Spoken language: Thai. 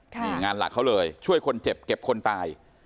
นี่งานหลักเขาเลยช่วยคนเจ็บเก็บคนตาย